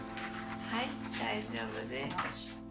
はい大丈夫です。